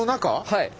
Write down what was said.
はい。